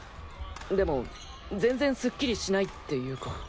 でも全然すっきりしないっていうか。